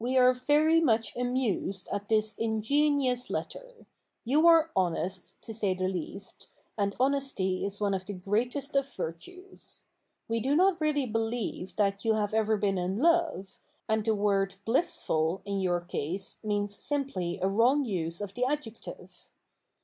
We are very much amused at this ingenuous letter. You are honest, to say the least, and honesty is one of the greatest of virtues. We do not really believe that you have ever been in love, and the word "blissful" in your case means simply a wrong use of the adjective.